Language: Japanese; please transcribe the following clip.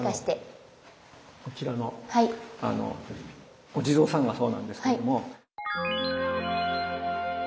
こちらのお地蔵さんがそうなんですけども。